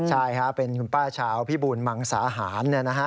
ใช่เป็นคุณป้าชาวพิบูลมังสาหาร